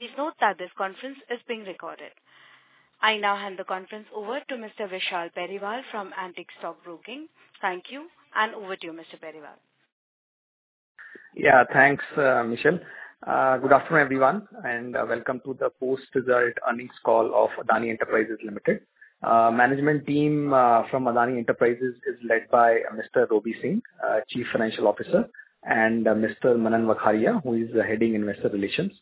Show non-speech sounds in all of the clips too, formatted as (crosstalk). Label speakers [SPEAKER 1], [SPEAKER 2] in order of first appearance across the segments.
[SPEAKER 1] Please note that this conference is being recorded. I now hand the conference over to Mr. Vishal Periwal from Antique Stock Broking. Thank you, and over to you, Mr. Periwal.
[SPEAKER 2] Yeah, thanks, Michelle. Good afternoon, everyone, and welcome to the Post-Result Earnings Call of Adani Enterprises Limited. Management team from Adani Enterprises is led by Mr. Robbie Singh, Chief Financial Officer, and Mr. Manan Vakharia, who is heading investor relations.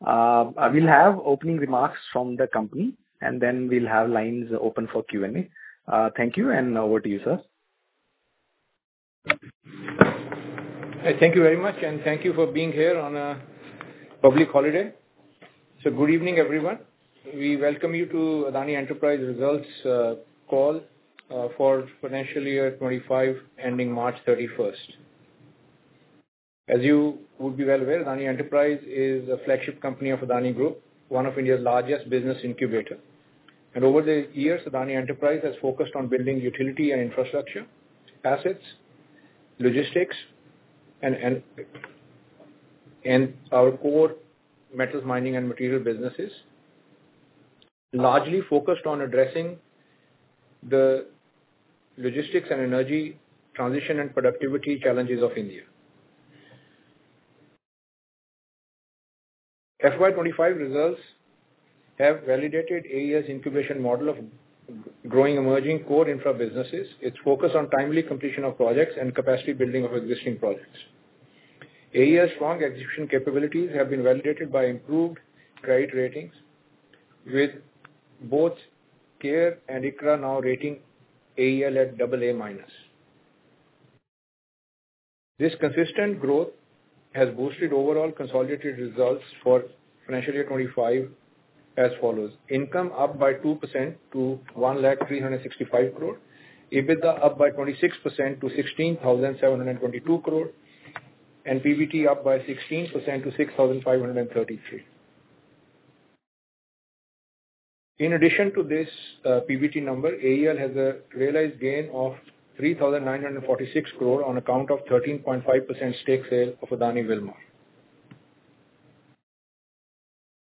[SPEAKER 2] We will have opening remarks from the company, and then we will have lines open for Q&A. Thank you, and over to you, sir.
[SPEAKER 3] Thank you very much, and thank you for being here on a public holiday. Good evening, everyone. We welcome you to Adani Enterprises Results Call for financial year 2025 ending 31 March. As you would be well aware, Adani Enterprises is a flagship company of Adani Group, one of India's largest business incubators. Over the years, Adani Enterprises has focused on building utility and infrastructure assets, logistics, and our core metals, mining, and material businesses, largely focused on addressing the logistics and energy transition and productivity challenges of India. FY 2025 results have validated AEL's incubation model of growing emerging core infra businesses. It is focused on timely completion of projects and capacity building of existing projects. AEL's strong execution capabilities have been validated by improved credit ratings with both CARE and ICRA now rating AEL at AA-. This consistent growth has boosted overall consolidated results for financial year 2025 as follows: income up by 2% to 1,365 crores, EBITDA up by 26% to 16,722 crores, and PBT up by 16% to 6,533 crores. In addition to this PBT number, AEL has a realized gain of 3,946 crores on account of 13.5% stake sale of Adani Wilmar.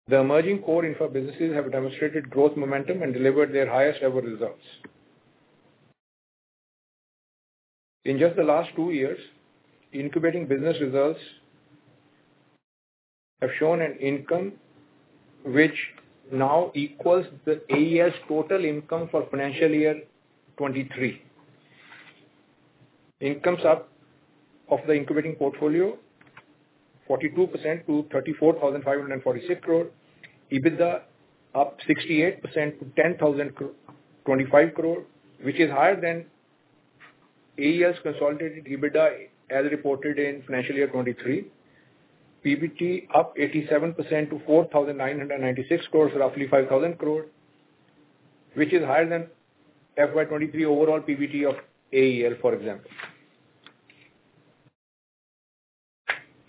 [SPEAKER 3] The emerging core infra businesses have demonstrated growth momentum and delivered their highest-ever results. In just the last two years, incubating business results have shown an income which now equals the AEL total income for financial year 2023. Income is up of the incubating portfolio, 42% to 34,546 crores, EBITDA up 68% to 10,025 crores, which is higher than AEL consolidated EBITDA as reported in financial year 2023. PBT up 87% to 4,996 crores roughly 5,000 crores, which is higher than financial year 2023 overall PBT of AEL, for example.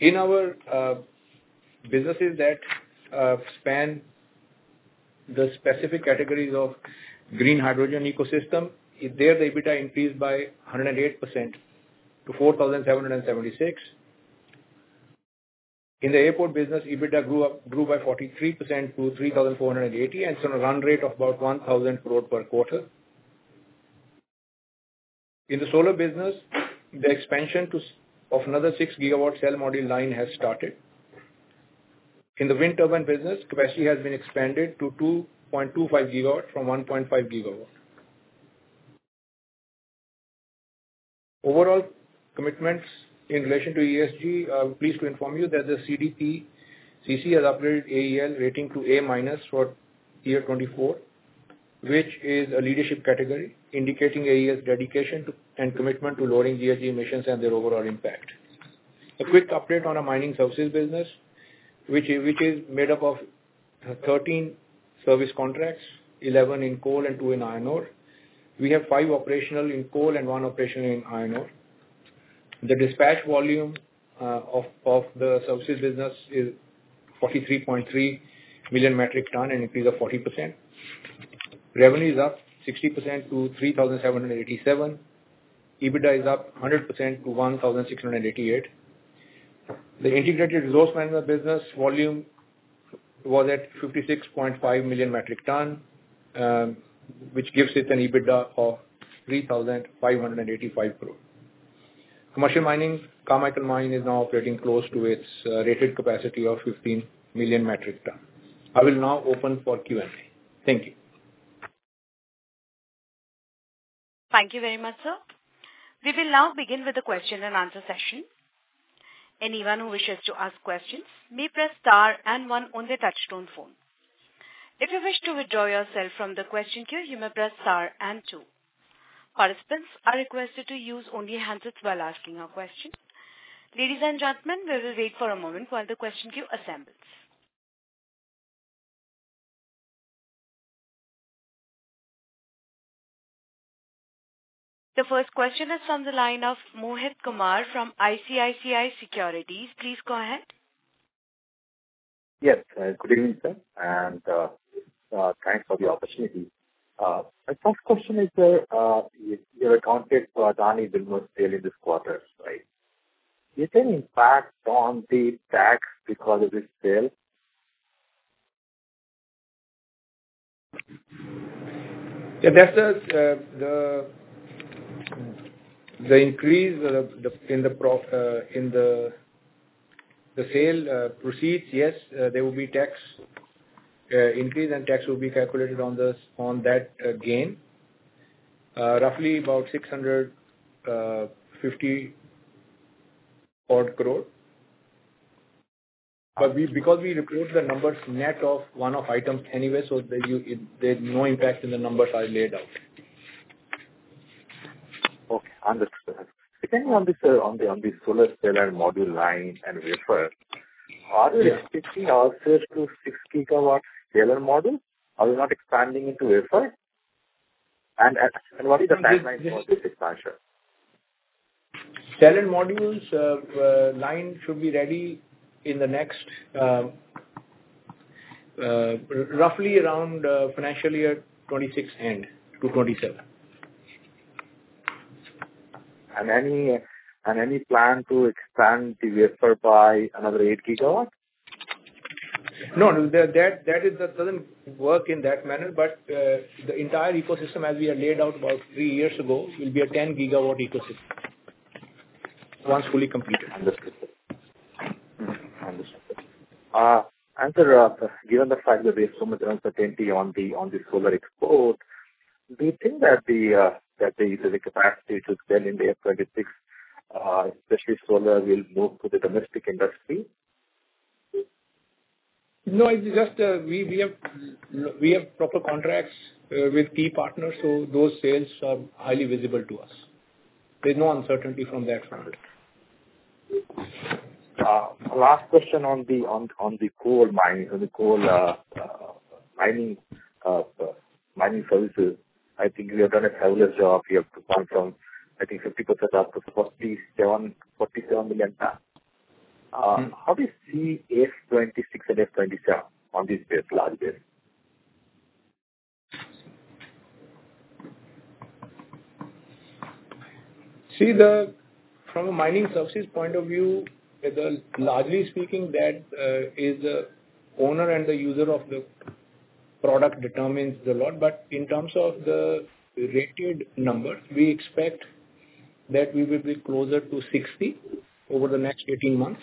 [SPEAKER 3] In our businesses that span the specific categories of green hydrogen ecosystem, there the EBITDA increased by 108% to 4,776 crores. In the airport business, EBITDA grew by 43% to 3,480 crores and saw a run rate of about 1,000 crores per quarter. In the solar business, the expansion of another 6 GW cell module line has started. In the wind turbine business, capacity has been expanded to 2.25 GW from 1.5 GW. Overall commitments in relation to ESG, I'm pleased to inform you that the CDP has upgraded AEL rating to A- for year 2024, which is a leadership category, indicating AEL's dedication and commitment to lowering GHG emissions and their overall impact. A quick update on our mining services business, which is made up of 13 service contracts, 11 in coal and 2 in iron ore. We have 5 operational in coal and 1 operational in iron ore. The dispatch volume of the services business is 43.3 million metric tons and increased 40%. Revenue is up 60% to 3,787 crores. EBITDA is up 100% to 1,688 crores. The integrated resource management business volume was at 56.5 million metric tons, which gives it an EBITDA of 3,585 crores. Commercial mining, Carmichael Mine is now operating close to its rated capacity of 15 million metric tons. I will now open for Q&A. Thank you.
[SPEAKER 1] Thank you very much, sir. We will now begin with the question and answer session. Anyone who wishes to ask questions may press star and one on the touchtone phone. If you wish to withdraw yourself from the question queue, you may press star and two. Participants are requested to use only handsets while asking a question. Ladies and gentlemen, we will wait for a moment while the question queue assembles. The first question is from the line of Mohit Kumar from ICICI Securities. Please go ahead.
[SPEAKER 4] Yes, good evening, sir. Thanks for the opportunity. My first question is, you've accounted for Adani Wilmar sale in this quarter, right? Is there any impact on the tax because of this sale?
[SPEAKER 3] Yes, sir. The increase in the sale proceeds, yes, there will be tax increase and tax will be calculated on that gain, roughly about 650-odd crore. Because we report the numbers net of one-off items anyway, there is no impact in the numbers I laid out.
[SPEAKER 4] Okay, understood. Depending on the solar cell and module line and wafer, are we expecting ourselves to 6 GW cell and module? Are we not expanding into wafer? What is the timeline for this expansion?
[SPEAKER 3] Cell and module line should be ready in the next roughly around financial year 2026 end to 2027.
[SPEAKER 4] Any plan to expand the wafer by another 8 GW?
[SPEAKER 3] No, that does not work in that manner. But the entire ecosystem, as we had laid out about three years ago, will be a 10 GW ecosystem once fully completed.
[SPEAKER 4] Understood. Understood. Given the fact that there is so much uncertainty on the solar export, do you think that the capacity to sell in the FY26, especially solar, will move to the domestic industry?
[SPEAKER 3] No, we have proper contracts with key partners, so those sales are highly visible to us. There's no uncertainty from that front.
[SPEAKER 4] Last question on the coal mining services. I think you have done a fabulous job. You have gone from, I think, 50% up to 47 million tons. How do you see FY 2026 and FY 2027 on this large base?
[SPEAKER 3] See, from a mining services point of view, largely speaking, that is the owner and the user of the product determines a lot. In terms of the rated numbers, we expect that we will be closer to 60 over the next 18 months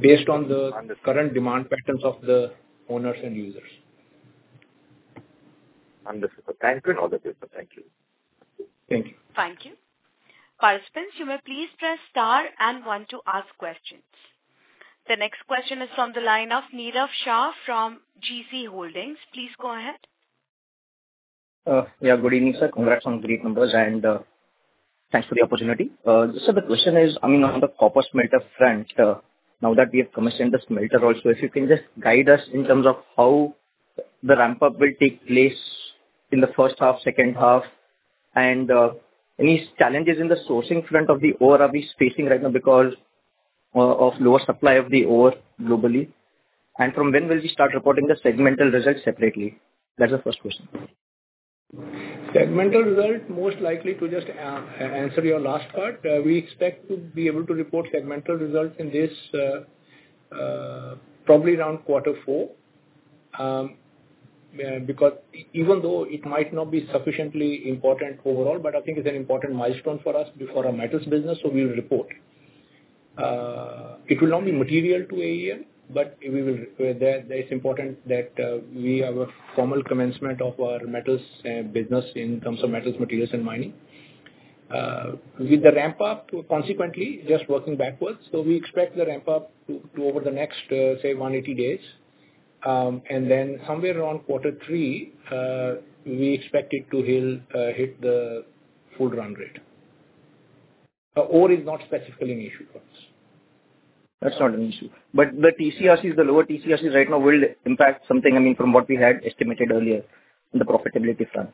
[SPEAKER 3] based on the current demand patterns of the owners and users.
[SPEAKER 4] Understood. Thank you and all the best. Thank you.
[SPEAKER 3] Thank you.
[SPEAKER 1] Thank you. Participants, you may please press star and one to ask questions. The next question is from the line of Nirav Shah from GeeCee Holdings. Please go ahead.
[SPEAKER 5] Yeah, good evening, sir. Congrats on great numbers, and thanks for the opportunity. Just the question is, I mean, on the copper smelter front, now that we have commissioned the smelter also, if you can just guide us in terms of how the ramp-up will take place in the first half, second half, and any challenges in the sourcing front of the ore are we facing right now because of lower supply of the ore globally? From when will we start reporting the segmental results separately? That's the first question.
[SPEAKER 3] Segmental results, most likely to just answer your last part, we expect to be able to report segmental results in this probably around Q4 because even though it might not be sufficiently important overall, I think it's an important milestone for us before our metals business, so we will report. It will not be material to AEL, but it's important that we have a formal commencement of our metals business in terms of metals, materials, and mining. With the ramp-up, consequently, just working backwards, we expect the ramp-up to over the next, say, 180 days. Somewhere around Q3, we expect it to hit the full run rate. Ore is not specifically an issue for us.
[SPEAKER 5] That's not an issue. The TCRCs, the lower TCRCs right now will impact something, I mean, from what we had estimated earlier in the profitability front?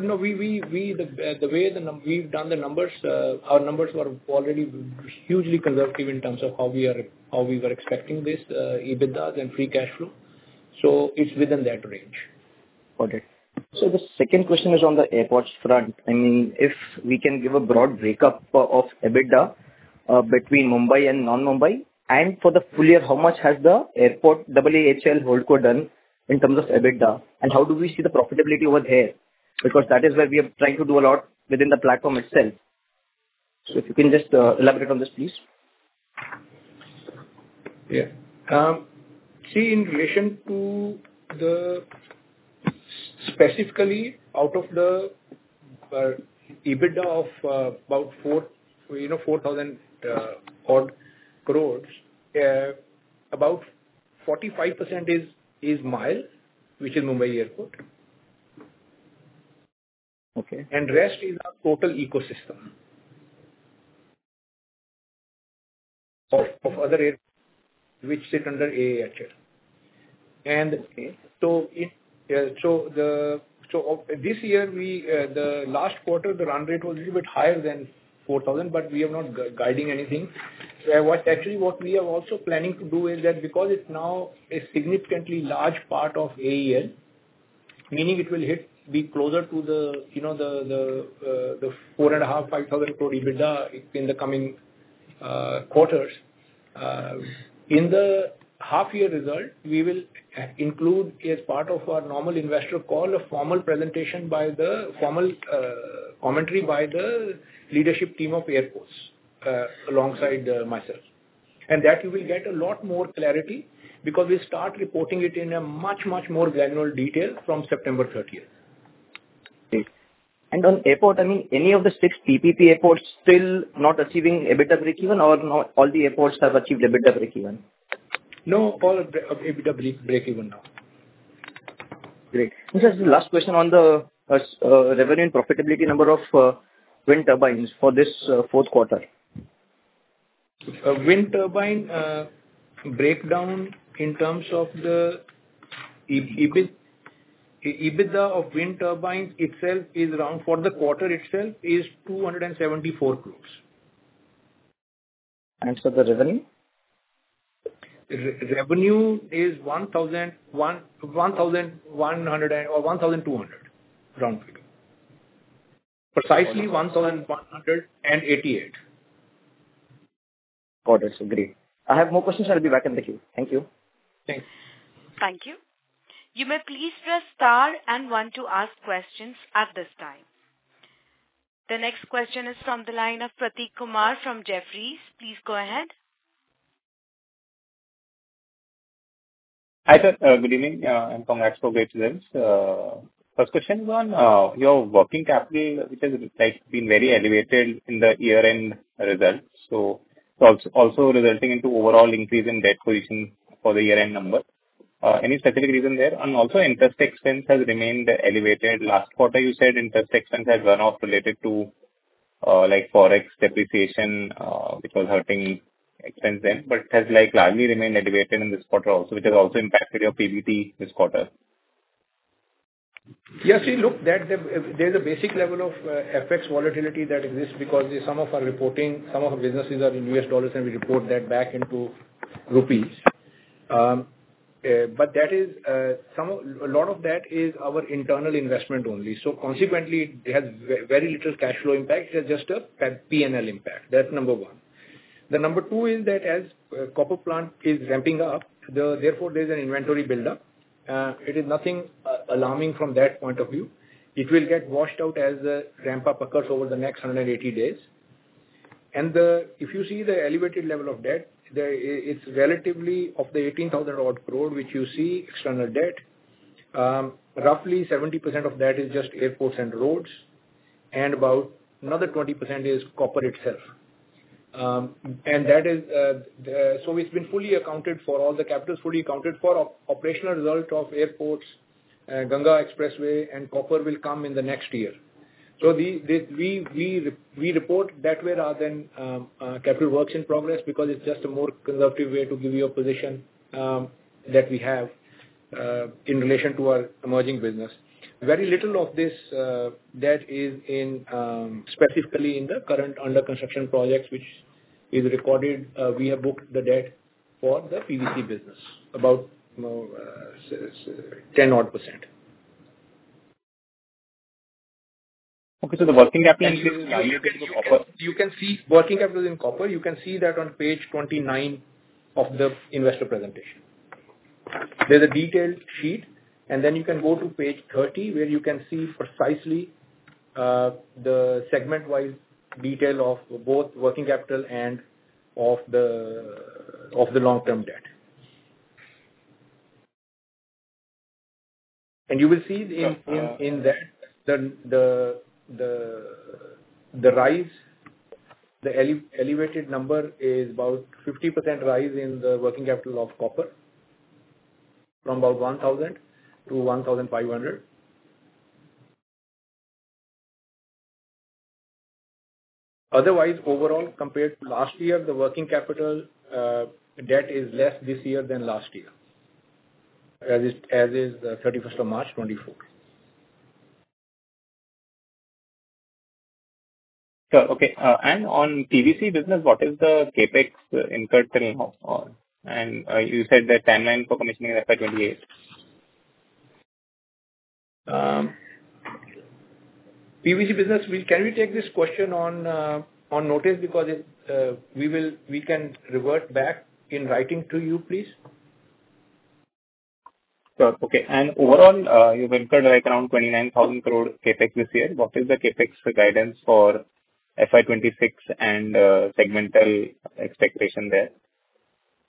[SPEAKER 3] No, the way we've done the numbers, our numbers were already hugely conservative in terms of how we were expecting this EBITDA and free cash flow. It is within that range.
[SPEAKER 5] Got it. The second question is on the airports front. I mean, if we can give a broad breakup of EBITDA between Mumbai and non-Mumbai, and for the full year, how much has the airport AAHL HoldCo done in terms of EBITDA? How do we see the profitability over there? That is where we are trying to do a lot within the platform itself. If you can just elaborate on this, please.
[SPEAKER 3] Yeah. See, in relation to the specifically out of the EBITDA of about INR 4,000 crore, about 45% is MIAL, which is Mumbai airport. The rest is our total ecosystem of other airports which sit under AAHL. This year, the last quarter, the run rate was a little bit higher than 4,000 crore, but we are not guiding anything. Actually, what we are also planning to do is that because it is now a significantly large part of AEL, meaning it will be closer to the 4,500 to 5,000 crore EBITDA in the coming quarters, in the half-year result, we will include as part of our normal investor call a formal presentation by the formal commentary by the leadership team of airports alongside myself. You will get a lot more clarity because we start reporting it in a much, much more granular detail from 30 September.
[SPEAKER 5] On airport, I mean, any of the six PPP airports still not achieving EBITDA breakeven, or all the airports have achieved EBITDA breakeven?
[SPEAKER 3] No, all EBITDA breakeven now.
[SPEAKER 5] Great. Just the last question on the revenue and profitability number of wind turbines for this Q4.
[SPEAKER 3] Wind turbine breakdown in terms of the EBITDA of wind turbines itself is around for the quarter itself is 274 crores.
[SPEAKER 5] For the revenue?
[SPEAKER 3] Revenue is 1,200 crores, round-figure. Precisely 1,188 crores.
[SPEAKER 5] Got it. Great. I have no questions. I'll be back in the queue. Thank you.
[SPEAKER 3] Thanks.
[SPEAKER 1] Thank you. You may please press star and one to ask questions at this time. The next question is from the line of Prateek Kumar from Jefferies. Please go ahead.
[SPEAKER 6] Hi, sir. Good evening. (inaudible) First question on your working capital, which has been very elevated in the year-end results, also resulting into overall increase in debt position for the year-end number. Any specific reason there? Also, interest expense has remained elevated. Last quarter, you said interest expense had run off related to forex depreciation, which was hurting expense then, but has largely remained elevated in this quarter also, which has also impacted your PBT this quarter.
[SPEAKER 3] Yes, see, look, there's a basic level of FX volatility that exists because some of our reporting, some of our businesses are in US dollars, and we report that back into rupees. A lot of that is our internal investment only. Consequently, it has very little cash flow impact. It has just a P&L impact. That's number one. Number two is that as copper plant is ramping up, therefore there's an inventory buildup. It is nothing alarming from that point of view. It will get washed out as the ramp-up occurs over the next 180 days. If you see the elevated level of debt, it's relatively of the 18,000 crore which you see external debt, roughly 70% of that is just airports and roads, and about another 20% is copper itself. It has been fully accounted for, all the capital is fully accounted for, operational result of airports, Ganga Expressway, and copper will come in the next year. We report that way rather than capital works in progress because it is just a more conservative way to give you a position that we have in relation to our emerging business. Very little of this debt is specifically in the current under-construction projects which is recorded. We have booked the debt for the PVC business, about 10% odd.
[SPEAKER 5] Okay, so the working capital is elevated in copper.
[SPEAKER 3] You can see working capital in copper. You can see that on page 29 of the investor presentation. There's a detailed sheet, and then you can go to page 30 where you can see precisely the segment-wise detail of both working capital and of the long-term debt. You will see in that the rise, the elevated number is about 50% rise in the working capital of copper from about 1,000 crore to 1,500 crore. Otherwise, overall, compared to last year, the working capital debt is less this year than last year, as is 31 March 2024.
[SPEAKER 5] Sure. Okay. On PVC business, what is the CapEx incurred till now? You said the timeline for commissioning is FY 2028.
[SPEAKER 3] PVC business, can we take this question on notice because we can revert back in writing to you, please?
[SPEAKER 5] Sure. Okay. Overall, you've incurred around 29,000 crore CapEx this year. What is the CapEx guidance for FY 2026 and segmental expectation there?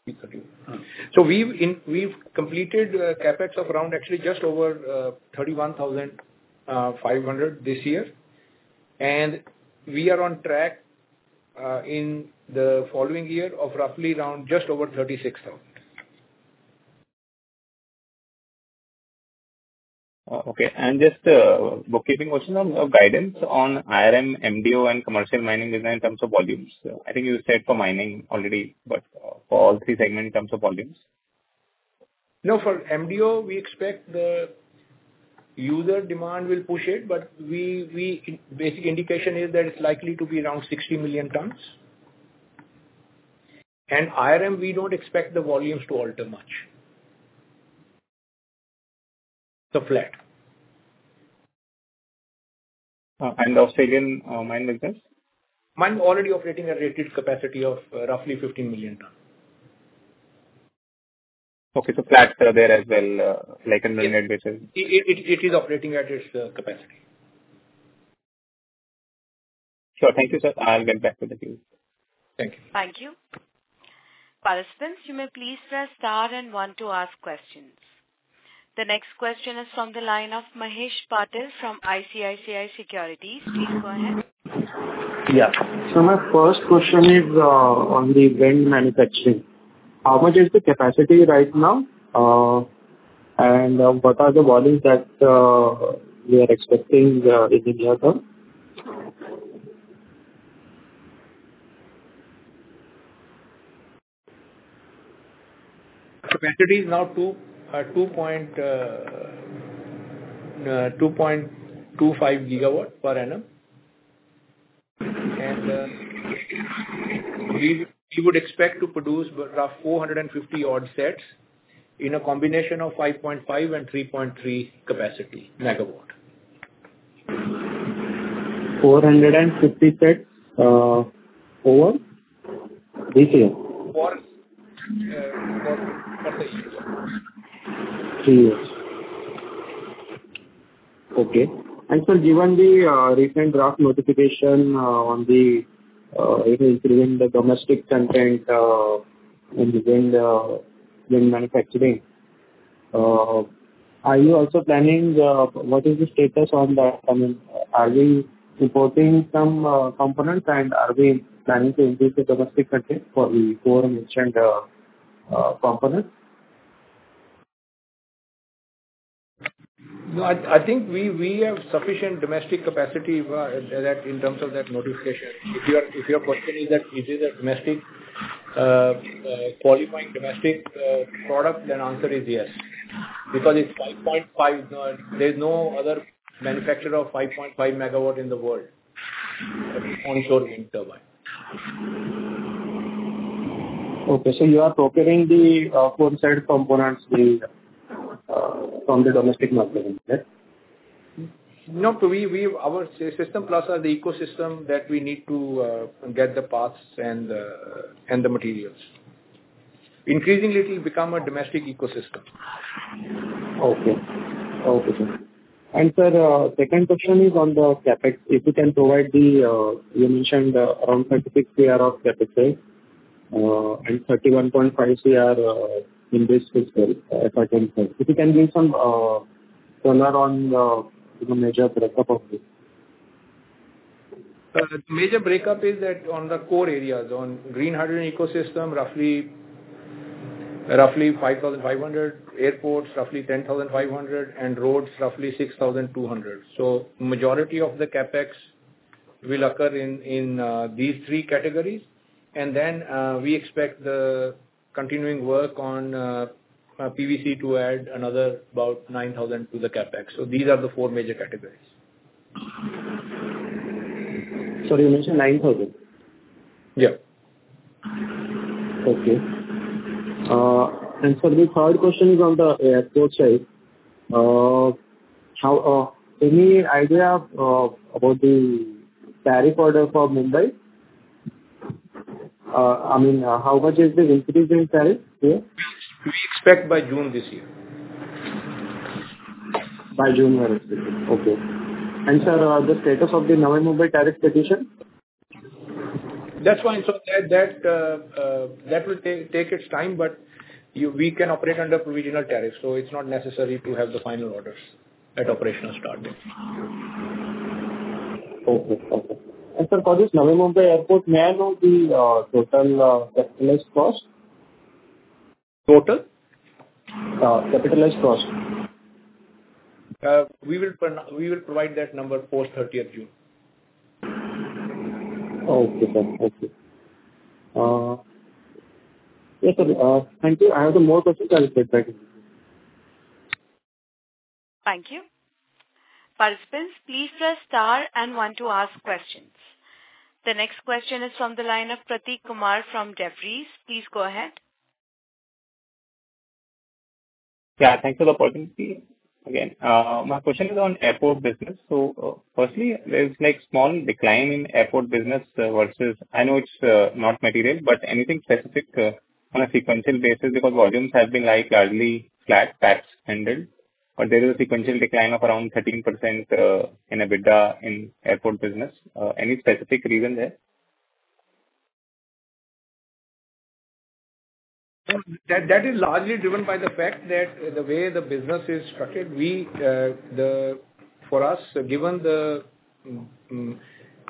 [SPEAKER 3] We have completed CapEx of around actually just over 31,500 crore this year. We are on track in the following year of roughly around just over 36,000 crore.
[SPEAKER 5] Okay. Just bookkeeping questions on guidance on IRM, MDO, and commercial mining design in terms of volumes. I think you said for mining already, but for all three segments in terms of volumes.
[SPEAKER 3] No, for MDO, we expect the user demand will push it, but the basic indication is that it's likely to be around 60 million metric tons. IRM, we don't expect the volumes to alter much. Flat.
[SPEAKER 5] Australian mine business?
[SPEAKER 3] Mine already operating at rated capacity of roughly 15 million metric tons.
[SPEAKER 5] Okay. Flat there as well, like in the net basis?
[SPEAKER 3] It is operating at its capacity.
[SPEAKER 5] Sure. Thank you, sir. I'll get back to the queue.
[SPEAKER 3] Thank you.
[SPEAKER 1] Thank you. Participants, you may please press star and one to ask questions. The next question is from the line of Mahesh Patil from ICICI Securities. Please go ahead.
[SPEAKER 7] Yeah. My first question is on the wind manufacturing. How much is the capacity right now? What are the volumes that we are expecting in India?
[SPEAKER 3] Capacity is now 2.25 GW per annum. We would expect to produce roughly 450-odd sets in a combination of 5.5 and 3.3 capacity megawatt.
[SPEAKER 7] 450 sets over this year?
[SPEAKER 3] For three years.
[SPEAKER 7] Three years. Okay. Sir, given the recent draft notification on the incremental domestic content in wind manufacturing, are you also planning what is the status on that? I mean, are we importing some components, and are we planning to increase the domestic content for the four mentioned components?
[SPEAKER 3] No, I think we have sufficient domestic capacity in terms of that notification. If your question is that is it a qualifying domestic product, then answer is yes. Because it's 5.5, there's no other manufacturer of 5.5 GW in the world onshore wind turbine.
[SPEAKER 7] Okay. You are procuring the four-side components from the domestic market, correct?
[SPEAKER 3] No. Our system plus the ecosystem that we need to get the parts and the materials. Increasingly, it will become a domestic ecosystem.
[SPEAKER 7] Okay. Okay. Sir, second question is on the CapEx. If you can provide the, you mentioned around 36 crore of CapEx and 31.5 crore in this fiscal FY 2025. If you can give some color on the major breakup of this.
[SPEAKER 3] The major breakup is that on the core areas, on green hydrogen ecosystem, roughly 5,500 crore, airports roughly 10,500 crore, and roads roughly 6,200 crore. The majority of the CapEx will occur in these three categories. We expect the continuing work on PVC to add another about 9,000 crore to the CapEx. These are the four major categories.
[SPEAKER 7] You mentioned 9,000?
[SPEAKER 3] Yeah.
[SPEAKER 7] Okay. Sir, the third question is on the airport side. Any idea about the tariff order for Mumbai? I mean, how much is the increase in tariff here?
[SPEAKER 3] We expect by June this year.
[SPEAKER 7] By June we are expecting. Okay. Sir, the status of the Navi Mumbai tariff petition?
[SPEAKER 3] That's fine. That will take its time, but we can operate under provisional tariff. It is not necessary to have the final orders at operational start date.
[SPEAKER 7] Okay. Okay. Sir, for this Navi Mumbai airport, may I know the total capitalized cost?
[SPEAKER 3] Total?
[SPEAKER 7] Capitalized cost.
[SPEAKER 3] We will provide that number post 30 June.
[SPEAKER 7] Okay, sir. Okay. Yes, sir. Thank you. I have some more questions. I'll get back to you.
[SPEAKER 1] Thank you. Participants, please press star and one to ask questions. The next question is from the line of Prateek Kumar from Jefferies. Please go ahead.
[SPEAKER 6] Yeah. Thanks for the opportunity. Again, my question is on airport business. Firstly, there is a small decline in airport business versus, I know it is not material, but anything specific on a sequential basis because volumes have been largely flat, tax-handled, but there is a sequential decline of around 13% in EBITDA in airport business. Any specific reason there?
[SPEAKER 3] That is largely driven by the fact that the way the business is structured, for us, given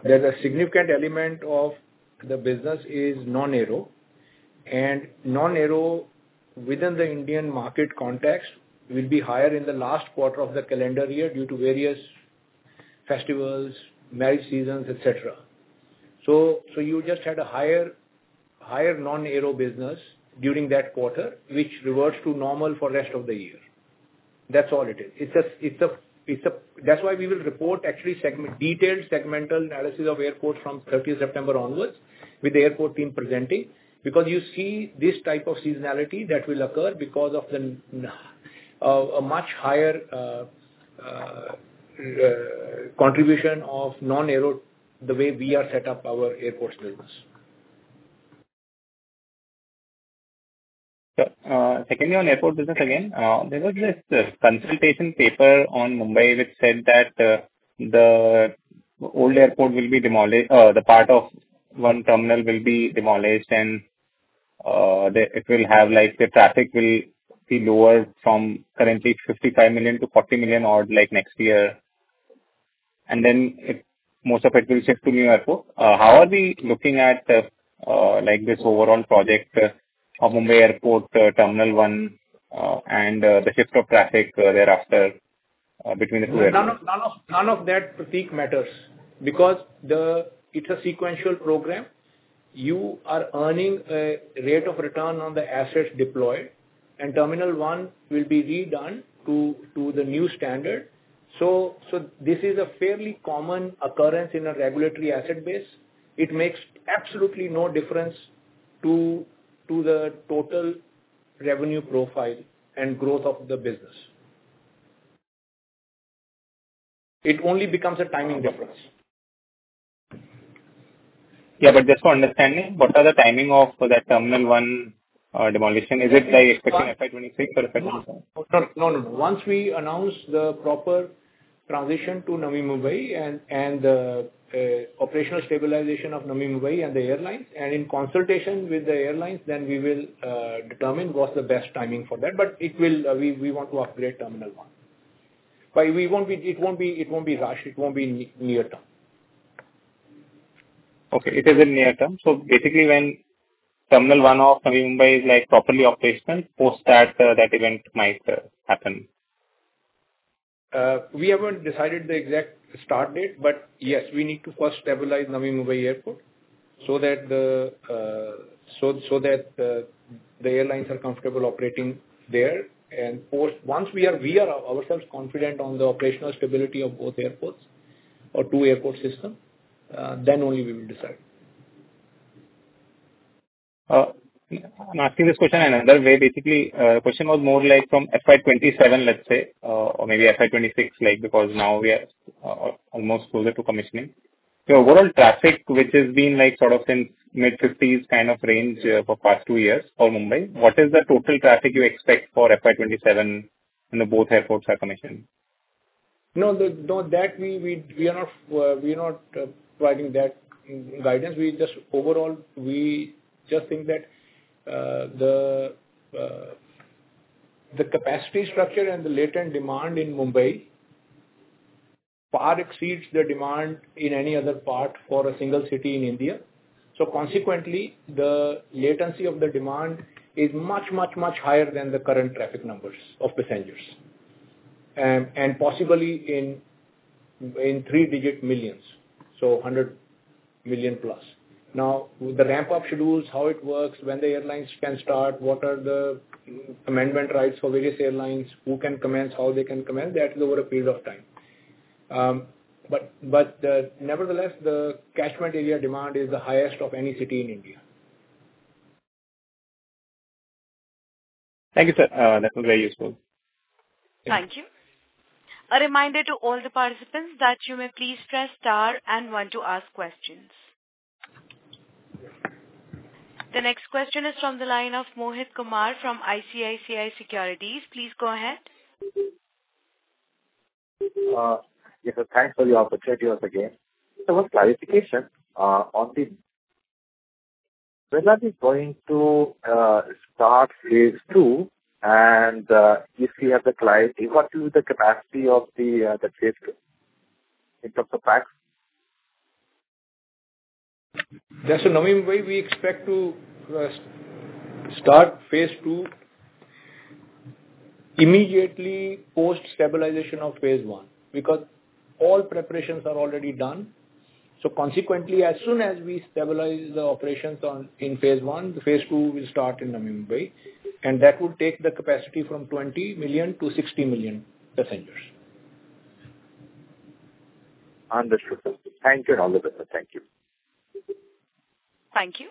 [SPEAKER 3] there's a significant element of the business is non-aero, and non-aero within the Indian market context will be higher in the last quarter of the calendar year due to various festivals, marriage seasons, etc. You just had a higher non-aero business during that quarter, which reverts to normal for the rest of the year. That's all it is. That is why we will report actually detailed segmental analysis of airports from 30 September onwards with the airport team presenting because you see this type of seasonality that will occur because of a much higher contribution of non-aero the way we are set up our airports business.
[SPEAKER 6] Secondly, on airport business again, there was this consultation paper on Mumbai which said that the old airport will be demolished, the part of one terminal will be demolished, and it will have the traffic will be lowered from currently 55 million to 40 million odd next year. Then most of it will shift to new airports. How are we looking at this overall project of Mumbai Airport Terminal 1 and the shift of traffic thereafter between the two airports?
[SPEAKER 3] None of that, Prateek, matters because it's a sequential program. You are earning a rate of return on the assets deployed, and Terminal 1 will be redone to the new standard. This is a fairly common occurrence in a regulatory asset base. It makes absolutely no difference to the total revenue profile and growth of the business. It only becomes a timing difference.
[SPEAKER 6] Yeah, but just for understanding, what are the timing of that Terminal 1 demolition? Is it like expecting FY 2026 or FY 2027?
[SPEAKER 3] No, no, no. Once we announce the proper transition to Navi Mumbai and the operational stabilization of Navi Mumbai and the airlines, and in consultation with the airlines, we will determine what's the best timing for that. We want to upgrade Terminal 1. It won't be rushed. It won't be near term.
[SPEAKER 6] Okay. It is in near term. So basically, when Terminal 1 of Navi Mumbai is properly operational, post that, that event might happen?
[SPEAKER 3] We haven't decided the exact start date, but yes, we need to first stabilize Navi Mumbai Airport so that the airlines are comfortable operating there. Once we are ourselves confident on the operational stability of both airports or two airport systems, then only we will decide.
[SPEAKER 6] I'm asking this question in another way. Basically, the question was more like from FY 2027, let's say, or maybe FY 2026, because now we are almost closer to commissioning. The overall traffic, which has been sort of since mid-50s kind of range for past two years for Mumbai, what is the total traffic you expect for FY 2027 when both airports are commissioned?
[SPEAKER 3] No, that we are not providing that guidance. We just overall, we just think that the capacity structure and the latent demand in Mumbai far exceeds the demand in any other part for a single city in India. Consequently, the latency of the demand is much, much, much higher than the current traffic numbers of passengers and possibly in three-digit millions, so 100 million plus. Now, with the ramp-up schedules, how it works, when the airlines can start, what are the amendment rights for various airlines, who can commence, how they can commence, that is over a period of time. Nevertheless, the catchment area demand is the highest of any city in India.
[SPEAKER 6] Thank you, sir. That was very useful.
[SPEAKER 1] Thank you. A reminder to all the participants that you may please press star and one to ask questions. The next question is from the line of Mohit Kumar from ICICI Securities. Please go ahead.
[SPEAKER 4] Yes, sir. Thanks for the opportunity once again. There was clarification on the when are we going to start phase two and if we have the client? What will be the capacity of the phase two in terms of facts?
[SPEAKER 3] That's what Navi Mumbai we expect to start phase two immediately post stabilization of phase one because all preparations are already done. Consequently, as soon as we stabilize the operations in phase one, phase two will start in Navi Mumbai. That will take the capacity from 20 million to 60 million passengers.
[SPEAKER 4] Understood. Thank you, all of the above. Thank you.
[SPEAKER 1] Thank you.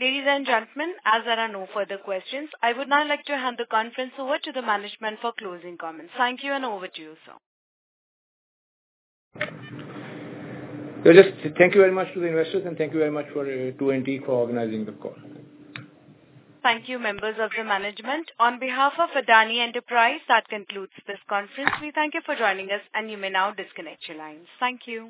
[SPEAKER 1] Ladies and gentlemen, as there are no further questions, I would now like to hand the conference over to the management for closing comments. Thank you and over to you, sir.
[SPEAKER 3] Thank you very much to the investors and thank you very much to Adani Enterprises for organizing the call.
[SPEAKER 1] Thank you, members of the management. On behalf of Adani Enterprises, that concludes this conference. We thank you for joining us, and you may now disconnect your lines. Thank you.